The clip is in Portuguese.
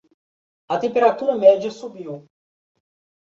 A temperatura média subiu.